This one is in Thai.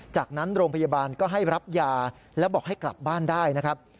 จากนั้นโรงพยาบาลก็ให้รับยาแล้วบอกให้กลับบ้านได้นะครับ